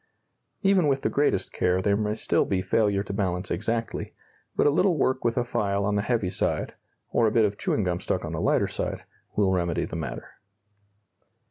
Even with the greatest care there may still be failure to balance exactly, but a little work with a file on the heavy side, or a bit of chewing gum stuck on the lighter side, will remedy the matter.